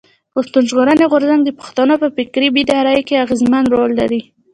پښتون ژغورني غورځنګ د پښتنو په فکري بيداري کښي اغېزمن رول لري.